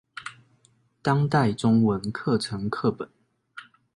當代中文課程課本